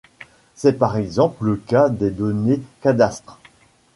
C'est par exemple le cas des données cadastrales.